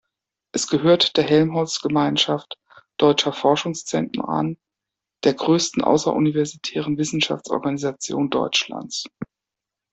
Es gehört der Helmholtz-Gemeinschaft Deutscher Forschungszentren an, der größten außeruniversitären Wissenschaftsorganisation Deutschlands.